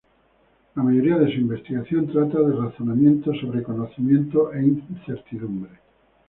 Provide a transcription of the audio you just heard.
La mayoría de su investigación trata de razonamiento sobre conocimiento e incertidumbre.